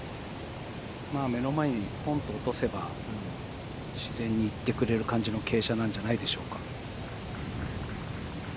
目の前にポンと落とせば自然にいってくれる感じの傾斜なんじゃないでしょうか。